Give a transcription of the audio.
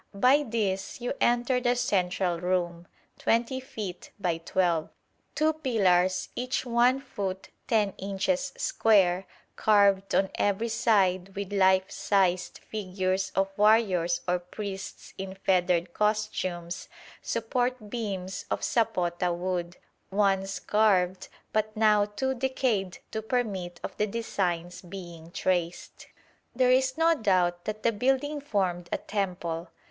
By this you enter the central room, 20 feet by 12. Two pillars, each 1 foot 10 inches square, carved on every side with life sized figures of warriors or priests in feathered costumes, support beams of sapota wood, once carved, but now too decayed to permit of the designs being traced. There is no doubt that the building formed a temple.